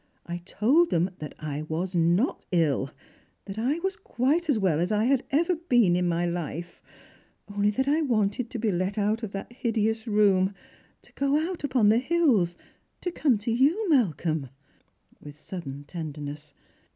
I told them that I was not ill — that I was quite as well as ^ had ever been in my life — only that I wanted to be let out of that hideous room, to go out upon the hills, to come to you, Malcolm," with sudden tenderness.